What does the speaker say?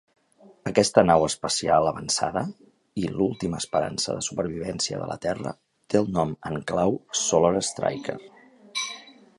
Aquesta nau espacial avançada, i l'última esperança de supervivència de la Terra, té el nom en clau "Solar Striker".